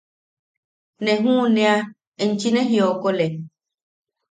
–Ne juʼunea, enchi ne jiokole.